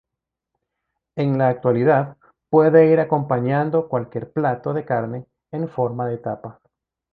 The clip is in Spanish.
En la actualidad puede ir acompañando cualquier plato de carne en forma de tapa.